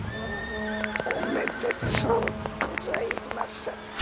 「おめでとうございます！！」。